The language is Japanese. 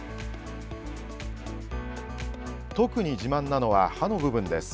特に自慢なのは刃の部分です。